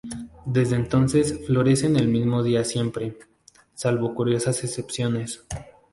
Desde entonces florecen el mismo día siempre, salvo curiosas excepciones.